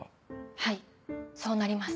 はいそうなります。